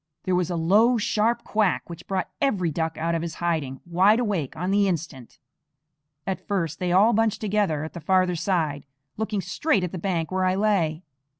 There was a low, sharp quack which brought every duck out of his hiding, wide awake on the instant. At first they all bunched together at the farther side, looking straight at the bank where I lay.